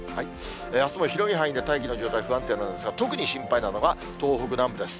あすも広い範囲で大気の状態不安定なんですが、特に心配なのは、東北南部です。